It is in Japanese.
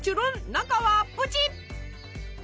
中はプチッ！